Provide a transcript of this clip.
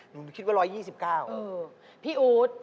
หนูคิดว่า๑๒๙บาท